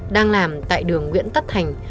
đang làm tại đường nguyễn tất thành